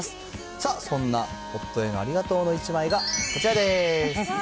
さあ、そんな夫へのありがとうの１枚がこちらです。